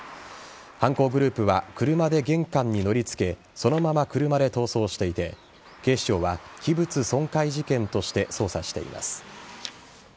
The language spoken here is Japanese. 犯行グループが車で玄関にのり付けそのまま車で逃走していて警視庁は器物損壊事件として捜査しています。